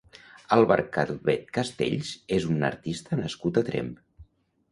Àlvar Calvet Castells és un artista nascut a Tremp.